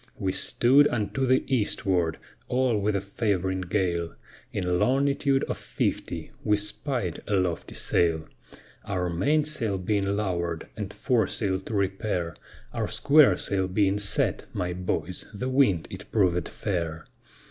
We stood unto the eastward, all with a favoring gale, In longitude of fifty we spied a lofty sail: Our mainsail being lower'd and foresail to repair, Our squaresail being set, my boys, the wind it provèd fair.